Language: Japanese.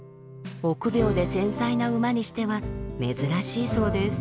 臆病で繊細な馬にしては珍しいそうです。